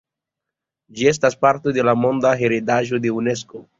Ĝi estas parto de la monda heredaĵo de Unesko.